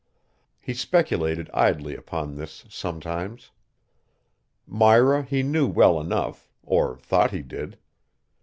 He speculated idly upon this sometimes. Myra he knew well enough, or thought he did.